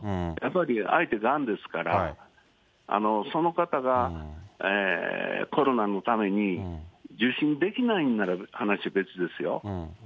やっぱり相手、がんですから、その方がコロナのために、受診できないんなら、話、別ですよ。